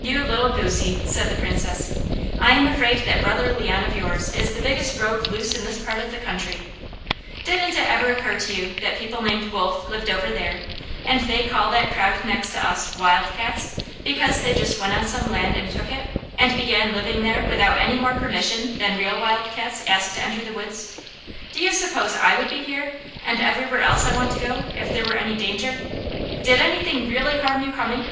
"You little goosie," said the Princess. "I am afraid that brother Leon of yours is the biggest rogue loose in this part of the country. Didn't it ever occur to you that people named Wolfe live over there, and they call that crowd next us 'wildcats,' because they just went on some land and took it, and began living there without any more permission than real wildcats ask to enter the woods? Do you suppose I would be here, and everywhere else I want to go, if there were any danger? Did anything really harm you coming?"